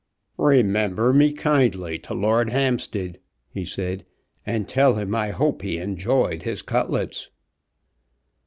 "Remember me kindly to Lord Hampstead," he said; "and tell him I hope he enjoyed his cutlets."